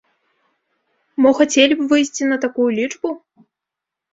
Мо хацелі б выйсці на такую лічбу?!